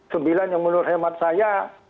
sembilan yang menurut hemat saya